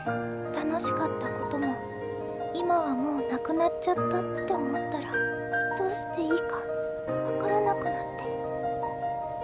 楽しかった事も今はもうなくなっちゃったって思ったらどうしていいか分からなくなって。